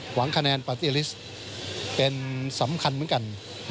หวังคะแนนปาร์ตี้ลิสต์เป็นสำคัญเหมือนกัน